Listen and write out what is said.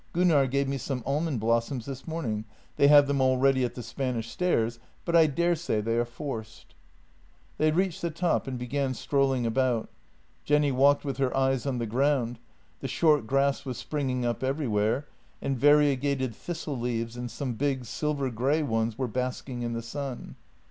Gunnar gave me some almond blossoms this morning; they have them already at the Spanish stairs, but I daresay they are forced." They reached the top and began strolling about. Jenny walked with her eyes on the ground; the short grass was spring ing up everywhere, and variegated thistle leaves and some big, silver grey ones were basking in the sun.